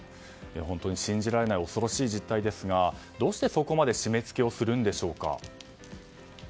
本当に信じられない恐ろしい実態ですがどうしてそこまで締め付けをするんでしょうか。